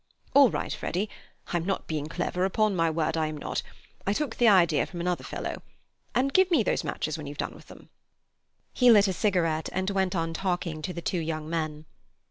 All right, Freddy—I am not being clever, upon my word I am not—I took the idea from another fellow; and give me those matches when you've done with them." He lit a cigarette, and went on talking to the two young men.